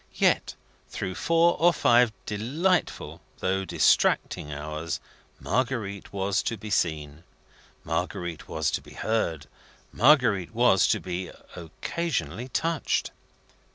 Yet, through four or five delightful though distracting hours, Marguerite was to be seen, Marguerite was to be heard, Marguerite was to be occasionally touched.